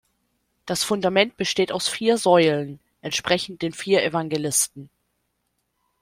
Das Fundament besteht aus vier Säulen, entsprechend den vier Evangelisten.